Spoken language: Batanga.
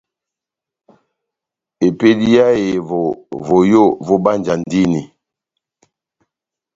Epédi yá ehevo, voyó vobánjandini.